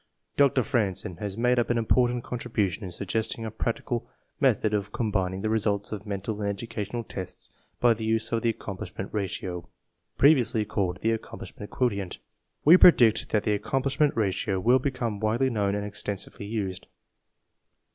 Dr. Franzen has made an important contribution in suggesting a practicable method of com bining the res ults of mental and educational tests by the use of the Accomplishment Ratio, previously called the Accomplishment Quotient. We predict that the Accomplishment Ratio will become widely known and extensively used.